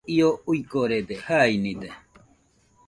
Io uigorede, jainide,